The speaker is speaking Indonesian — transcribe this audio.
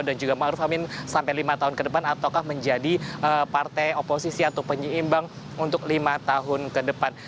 juga ⁇ maruf ⁇ amin sampai lima tahun ke depan ataukah menjadi partai oposisi atau penyeimbang untuk lima tahun ke depan